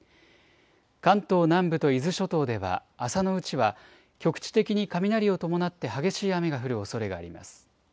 関東南部と伊豆諸島では朝のうちは局地的に雷を伴って激しい雨が降るおそれがあります。